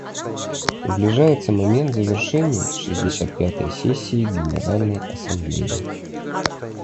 Приближается момент завершения шестьдесят пятой сессии Генеральной Ассамблеи.